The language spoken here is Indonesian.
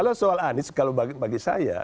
kalau soal anies kalau bagi saya